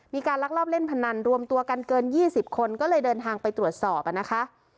ลักลอบเล่นพนันรวมตัวกันเกิน๒๐คนก็เลยเดินทางไปตรวจสอบนะคะ